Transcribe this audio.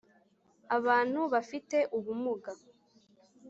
abantu bafite ubumuga